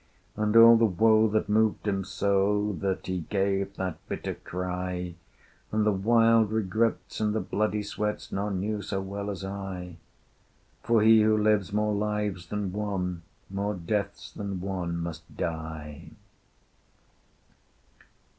And all the woe that moved him so That he gave that bitter cry, And the wild regrets, and the bloody sweats, None knew so well as I: For he who live more lives than one More deaths than one must die.